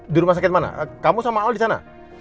di rumah sakit mana kamu sama al di sana